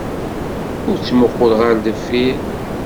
Ur ttmuqqul ɣer deffir.